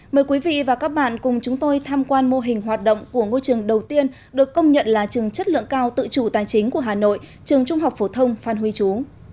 mời quý vị và các bạn cùng chúng tôi tham quan mô hình hoạt động của ngôi trường đầu tiên được công nhận là trường chất lượng cao tự chủ tài chính của hà nội trường trung học phổ thông phan huy chú